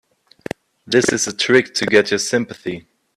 This is a trick to get your sympathy.